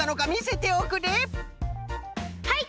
はい！